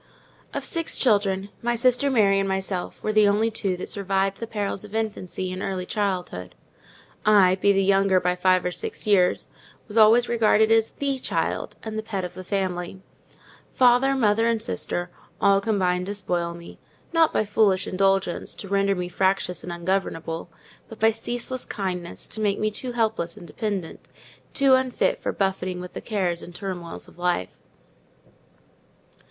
Of six children, my sister Mary and myself were the only two that survived the perils of infancy and early childhood. I, being the younger by five or six years, was always regarded as the child, and the pet of the family: father, mother, and sister, all combined to spoil me—not by foolish indulgence, to render me fractious and ungovernable, but by ceaseless kindness, to make me too helpless and dependent—too unfit for buffeting with the cares and turmoils of life.